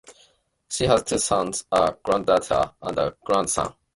She has two sons, a granddaughter, and a grandson.